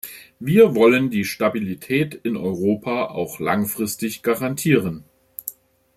Wir wollen die Stabilität in Europa auch langfristig garantieren.